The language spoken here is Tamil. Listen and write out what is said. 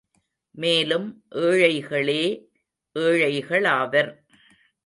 மேலும் ஏழைகளே ஏழைகளாவர்.